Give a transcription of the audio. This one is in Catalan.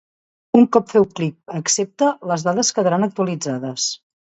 Un cop feu clic a Accepta, les dades quedaran actualitzades.